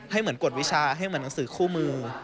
เหมือนกฎวิชาให้เหมือนหนังสือคู่มือ